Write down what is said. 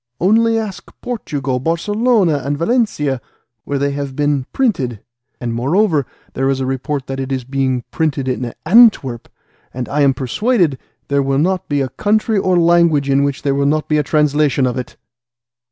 Only ask Portugal, Barcelona, and Valencia, where they have been printed, and moreover there is a report that it is being printed at Antwerp, and I am persuaded there will not be a country or language in which there will not be a translation of it."